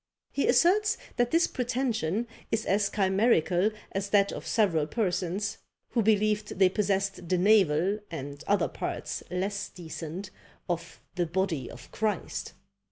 He asserts that this pretension is as chimerical as that of several persons, who believed they possessed the navel, and other parts less decent, of the body of Christ!